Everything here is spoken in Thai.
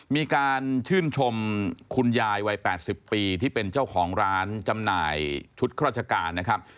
มีการชื่นชมคุณยายวัย๘๐ปีที่เป็นเจ้าของร้านจำหน่ายชุดราชการนะครับ